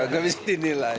gak bisa dinilai